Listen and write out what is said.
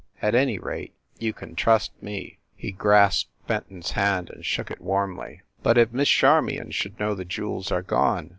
At any rate, you can trust me!" He grasped Fen ton s hand and shook it warmly. "But if Miss Charmion should know the jewels are gone?